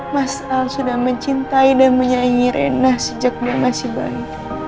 mas al sudah mencintai dan menyaingi rena sejak dia masih bayi